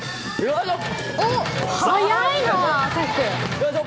よいしょ！